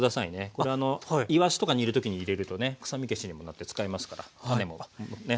これあのイワシとか煮る時に入れるとね臭み消しにもなって使えますから種もね